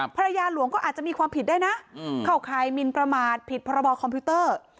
ภรรยาหลวงก็อาจจะมีความผิดได้นะเข้าข่ายมินประมาทผิดพรบคอมพิวเตอร์